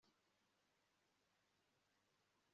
Nyamuneka soma urutonde rufunze